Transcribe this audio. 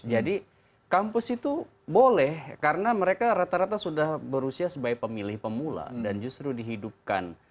jadi kampus itu boleh karena mereka rata rata sudah berusia sebagai pemilih pemula dan justru dihidupkan